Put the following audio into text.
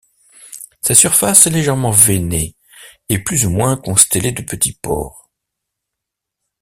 Sa surface est légèrement veinée et plus ou moins constellée de petits pores.